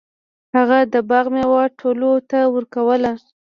هغه د باغ میوه ټولو ته ورکوله.